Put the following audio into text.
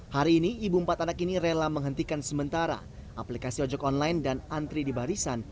hari ini ibu empat anak ini rela menghentikan sementara aplikasi ojek online dan antri di barisan